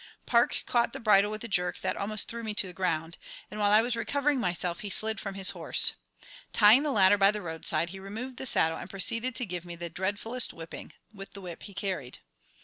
Park caught the bridle with a jerk that almost threw me to the ground, and while I was recovering myself he slid from his horse. Tying the latter by the roadside, he removed the saddle, and proceeded to give me the dreadfulest whipping, with the whip he carried.